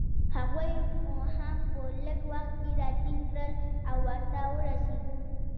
هغوی مو هم په لږ وخت کې راټینګ کړل، او ورته ورسېدو.